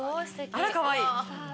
あらかわいい。